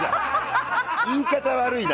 言い方、悪いな！